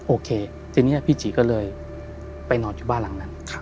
โอเคทีนี้พี่จีก็เลยไปนอนอยู่บ้านหลังนั้น